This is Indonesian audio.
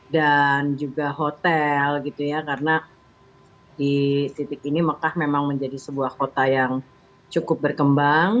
dan juga hotel gitu ya karena di titik ini mekah memang menjadi sebuah kota yang cukup berkembang